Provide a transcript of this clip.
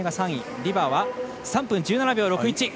リバーは３分１７秒６１。